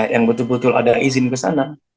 yang betul betul ada izin ke sana